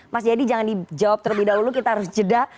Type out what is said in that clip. mas jayadi jangan dijawab terlebih dahulu kita harus jeda